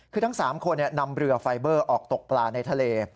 คือทั้ง๓คนนำเรือไฟเบอร์ออกตกปลาในทะเล